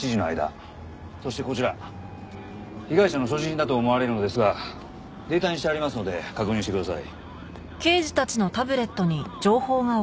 そしてこちら被害者の所持品だと思われるのですがデータにしてありますので確認してください。